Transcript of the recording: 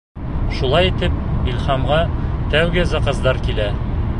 Шулай итеп, Илһамға тәүге заказдар килә.